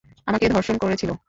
আমাকে ধর্ষণ করেছিল।